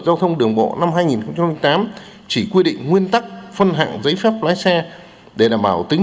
giao thông đường bộ năm hai nghìn tám chỉ quy định nguyên tắc phân hạng giấy phép lái xe để đảm bảo tính